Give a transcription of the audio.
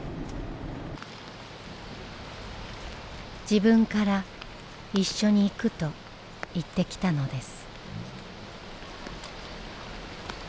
自分から「一緒に行く」と言ってきたのです。